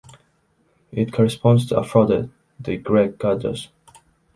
It corresponds to Aphrodite, the Greek goddess.